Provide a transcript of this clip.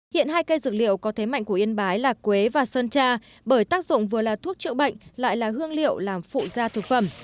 hiện hai cây dược liệu có thế mạnh của yên bái là quế và sơn tra bởi tác dụng vừa là thuốc chữa bệnh lại là hương liệu làm phụ gia thực phẩm